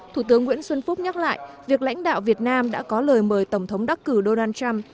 thủ tướng nguyễn xuân phúc nhắc lại việc lãnh đạo việt nam đã có lời mời tổng thống đắc cử donald trump